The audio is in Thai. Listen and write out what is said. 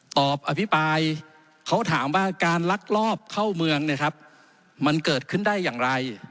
อภิปรายเขาถามว่าการลักลอบเข้าเมืองเนี่ยครับมันเกิดขึ้นได้อย่างไร